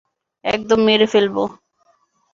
একদম মেরে ফেলব।